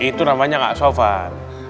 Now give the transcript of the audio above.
itu namanya gak sovan